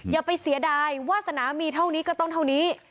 อย่าไปเสียดายวาสนามีเท่านี้ก็ต้องเท่านี้